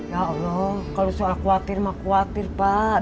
ya allah kalau soal khawatir mah khawatir pak